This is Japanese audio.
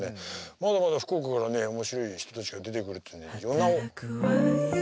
まだまだ福岡からね面白い人たちが出てくるっていうんでｙｏｎａｗｏ。